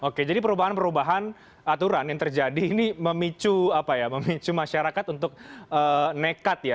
oke jadi perubahan perubahan aturan yang terjadi ini memicu masyarakat untuk nekat ya